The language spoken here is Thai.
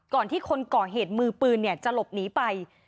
ที่คนก่อเหตุมือปืนจะหลบหนีไป